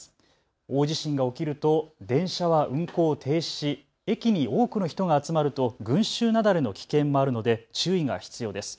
大地震が起きると電車は運行を停止し、駅に多くの人が集まると群集雪崩の危険もあるので注意が必要です。